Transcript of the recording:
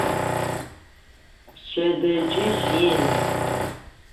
Пшъэдэкӏыжь ин.